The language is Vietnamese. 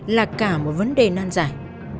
là cả một vấn đề nan giải